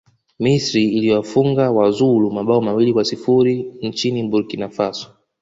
misri iliwafunga wazulu mabao mawili kwa sifuri nchini burkina faso